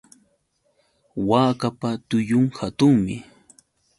Waakapa tullun hatunmi.